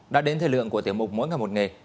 đã đến thời lượng của tiểu mục mỗi ngày một nghề